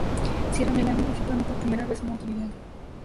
Cierran el año visitando por primera vez Montevideo.